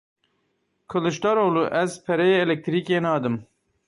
Kiliçdaroglu, ez pereyê elektrîkê nadim.